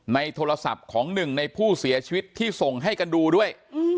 ในโทรศัพท์ของหนึ่งในผู้เสียชีวิตที่ส่งให้กันดูด้วย